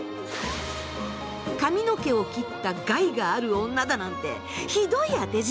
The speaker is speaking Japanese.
髪の毛を切った害がある女だなんてひどい当て字！